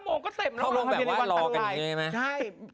๕โมงก็เต็มแล้วว่าพรีเที่ยวในวันตั้งไหน